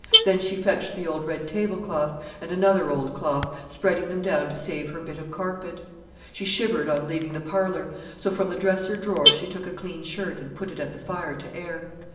Then she fetched the old red tablecloth, and another old cloth, spreading them down to save her bit of carpet. She shivered on leaving the parlour; so, from the dresser drawer she took a clean shirt and put it at the fire to air.